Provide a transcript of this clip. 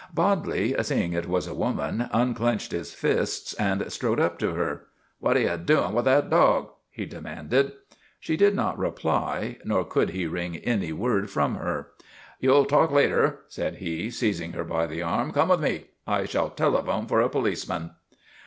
Bodley, seeing it was a \voman, unclenched his fists and strode up to her. " What are you doing with that dog?' he de manded. She did not reply, nor could he wring any word from her. " You '11 talk later," said he, seizing her by the arm. " Come with me. I shall telephone for a policeman."